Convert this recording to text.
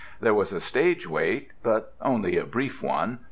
There was a stage wait, but only a brief one.